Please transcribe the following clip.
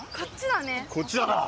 こっちだな。